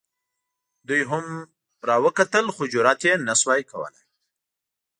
دوی هم را وکتلې خو جرات یې نه شو کولی.